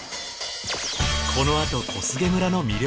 このあと小菅村の魅力。